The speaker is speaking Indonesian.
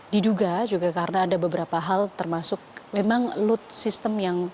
diduga juga karena ada beberapa hal termasuk memang load system yang